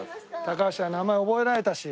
高橋は名前覚えられたし。